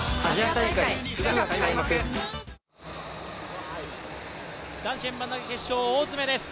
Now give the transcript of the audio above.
わかるぞ男子円盤投決勝、大詰めです。